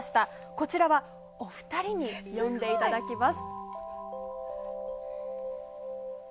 こちらはお二人に読んでいただきます。